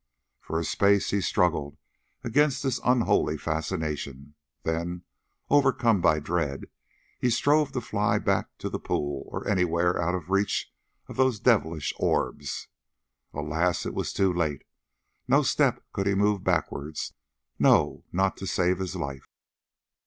For a space he struggled against this unholy fascination; then, overcome by dread, he strove to fly, back to the pool or anywhere out of reach of those devilish orbs. Alas! it was too late: no step could he move backwards, no, not to save his life.